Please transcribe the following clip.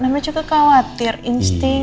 namanya juga khawatir insting